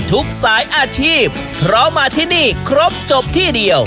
ทุกสายอาชีพเพราะมาที่นี่ครบจบที่เดียว